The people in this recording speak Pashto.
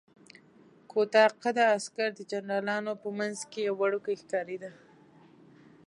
کوتاه قده عسکر د جنرالانو په منځ کې وړوکی ښکارېده.